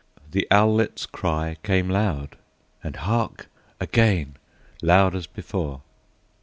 The owlet's cry Came loud and hark, again! loud as before.